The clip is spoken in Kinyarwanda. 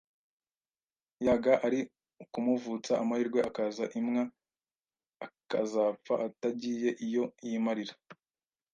yaga ari ukumuvutsa amahirwe akaza imwa akazapfa atagize iyo yimarira